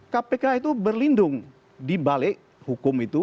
kpk itu berlindung dibalik hukum itu